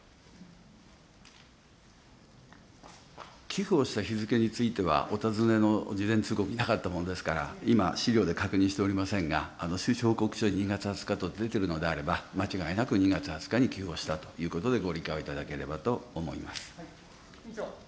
寄付をした日付については、お尋ねの事前通告になかったものですから、今、資料で確認しておりませんが、収支報告書に２月２０日と出ているのであれば、間違いなく２月２０日に寄付をしたということで、藤岡隆雄君。